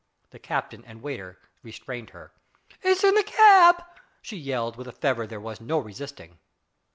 The captain and waiter restrained her. "It's in the cab!" she yelled with a fervour there was no resisting.